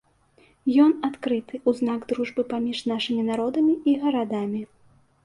Ён адкрыты ў знак дружбы паміж нашымі народамі і гарадамі.